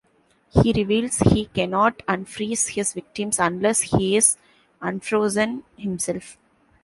He reveals he cannot unfreeze his victims unless he is unfrozen himself.